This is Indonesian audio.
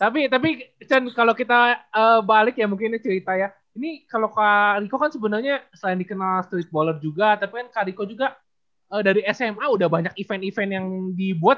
tapi tapi cen kalau kita balik ya mungkin ini cerita ya ini kalau kak riko kan sebenarnya selain dikenal street bowler juga tapi kan kak riko juga dari sma udah banyak event event yang diperlukan